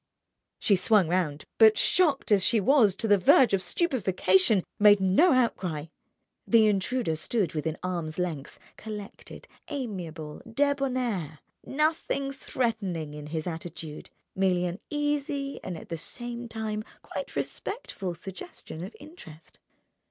She swung round but, shocked as she was to the verge of stupefaction, made no outcry. The intruder stood within arm's length, collected, amiable, debonair, nothing threatening in his attitude, merely an easy and at the same time quite respectful suggestion of interest.